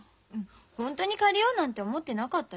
ホントに借りようなんて思ってなかったよ。